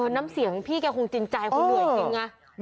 น้ำเสียงพี่แกคงจริงใจคงเหนื่อยจริงไง